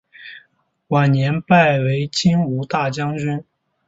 晚年拜为金吾大将军。